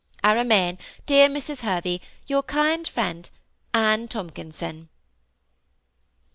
" I remain, dear Mrs. Hervey, « Your kind friend, "Ann Tomkinson.'